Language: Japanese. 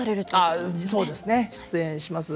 そうですね出演します。